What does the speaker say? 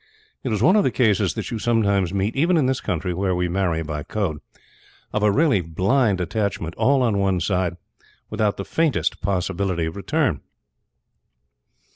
It was one of the cases that you sometimes meet, even in this country where we marry by Code, of a really blind attachment all on one side, without the faintest possibility of return.